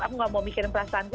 aku gak mau mikirin perasaanku